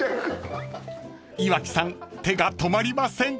［岩城さん手が止まりません］